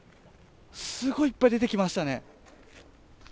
すごいいっぱい出てきましたね。